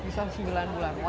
bisa sembilan bulan